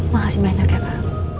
makasih banyak ya pak